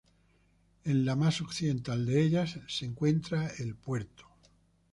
En la más occidental de ellas se encuentra el puerto.